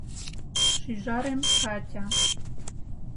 — Шӱжарем, Катя.